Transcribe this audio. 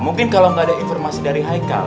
mungkin kalau nggak ada informasi dari haikal